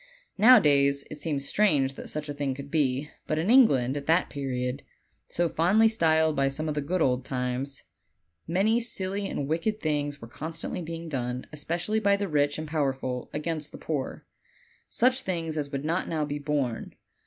Nowadays, it seems strange that such a thing could be; but in England, at that period, so fondly styled by some "the good old times," many silly and wicked things were constantly being done, especially by the rich and power ful, against the poor such things as would not now be borne.